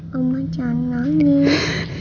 mama jangan nangis